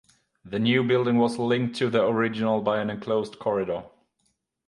The new building was linked to the original by an enclosed corridor.